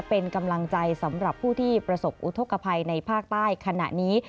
เป็นกำลังใจสำหรับผู้ที่ประสบอุทธกภัยในภาคใต้ขณะนี้